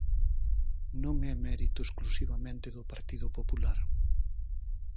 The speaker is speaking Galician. Non é mérito exclusivamente do Partido Popular.